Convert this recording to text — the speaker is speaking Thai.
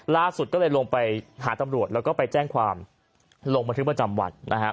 ล่าสุดก็เลยลงไปหาตำรวจแล้วก็ไปแจ้งความลงบันทึกประจำวันนะครับ